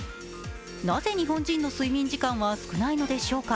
なぜ日本人の睡眠時間は少ないのでしょうか。